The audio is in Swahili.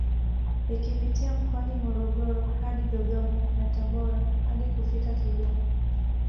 Ikipitia mkoani Morogoro hadi Dodoma na Tabora hadi kufika Kigoma